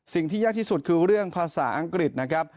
สิ่งที่ยากที่สุดคือเรื่องภาษาอังกฤษนะครับ